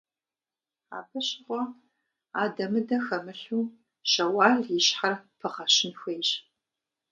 Абы щыгъуэ адэ-мыдэ хэмылъу Щэуал и щхьэр пыгъэщын хуейщ.